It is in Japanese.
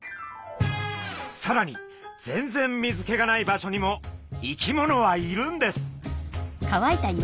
さらに全然水けがない場所にも生き物はいるんです。